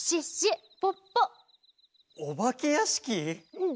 うん。